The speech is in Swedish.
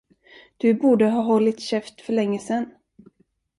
Du borde ha hållit käft för länge sen.